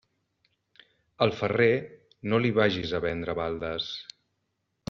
Al ferrer, no li vagis a vendre baldes.